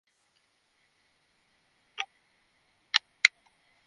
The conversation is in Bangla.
আর দ্বিতীয়ত, আমি লোভী না।